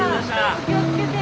お気をつけて。